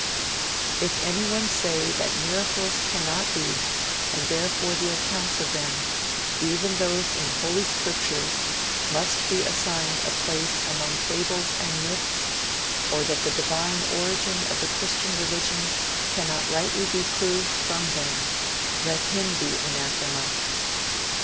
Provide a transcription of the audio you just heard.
'If anyone says that miracles cannot be, and therefore, the accounts of them, even those in Holy Scriptures must be assigned a place among fables and myths, or that the divine origin of the Christian religion cannot rightly be proved from them, let him be anathema.'